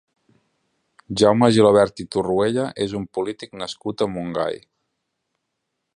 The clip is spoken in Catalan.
Jaume Gilabert i Torruella és un polític nascut a Montgai.